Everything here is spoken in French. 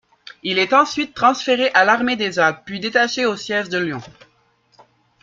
Il est ensuite transféré à l'armée des Alpes, puis détaché au siège de Lyon.